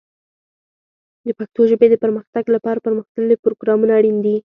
د پښتو ژبې د پرمختګ لپاره پرمختللي پروګرامونه اړین دي.